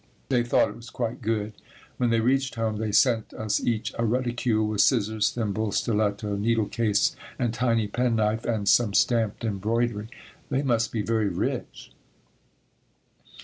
They thought it was quite good. When they reached home, they sent us each a reticule, with scissors, thimble, stiletto, needle case and tiny penknife and some stamped embroidery. They must be very rich.